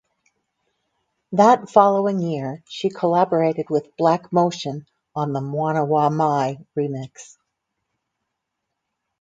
That following year she collaborated with Black Motion on the "Mwana Wa Mai" remix.